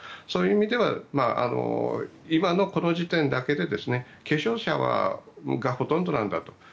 そういう意味では今のこの時点だけで軽症者がほとんどなんだと。